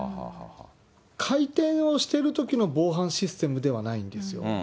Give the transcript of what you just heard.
開店をしてるときの防犯システムではないんですよ。